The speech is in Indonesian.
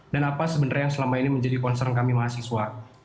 dan apa sebenarnya yang selama ini menjadi concern kami mahasiswa